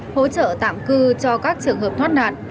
hỗ trợ tạm cư cho các trường hợp thoát nạn